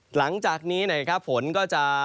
หลังจากนี้นะครับฝนก็จะ